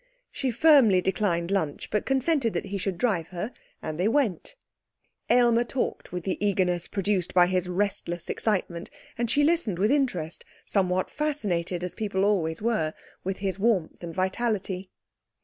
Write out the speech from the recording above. She firmly declined lunch, but consented that he should drive her, and they went. Aylmer talked with the eagerness produced by his restless excitement and she listened with interest, somewhat fascinated, as people always were, with his warmth and vitality.